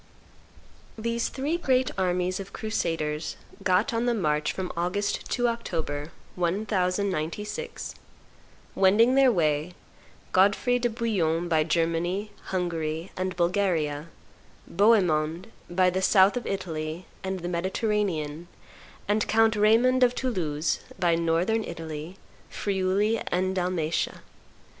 These three great armies of crusaders got on the march from August to October, 1096, wending their way, Godfrey de Bouillon by Germany, Hungary, and Bulgaria; Bohemond by the south of Italy and the Mediterranean; and Count Raymond of Toulouse by Northern Italy, Friuli, and Dalmatia.